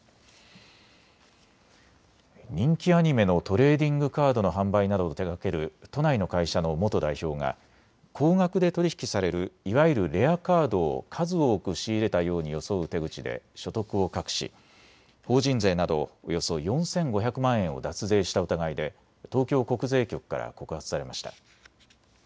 人気アニメのトレーディングカードの販売などを手がける都内の会社の元代表が高額で取り引きされるいわゆるレアカードを数多く仕入れたように装う手口で所得を隠し法人税などおよそ４５００万円を脱税した疑いで東京国税局から告発されました。